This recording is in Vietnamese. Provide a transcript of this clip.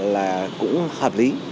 là cũng hợp lý